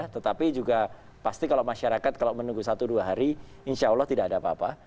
tetapi juga pasti kalau masyarakat kalau menunggu satu dua hari insya allah tidak ada apa apa